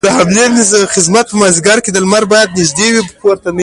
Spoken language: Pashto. د حملې مناسب وخت مازديګر دی، لمر بايد يوه نيزه پورته وي.